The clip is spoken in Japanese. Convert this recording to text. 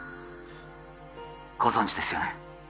ご存じですよね？